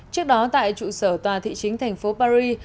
trước đó tại trụ sở tòa thị chính tp paris